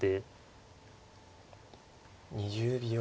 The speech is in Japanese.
２０秒。